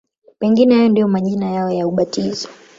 Pengine hayo ndiyo majina yao ya ubatizo.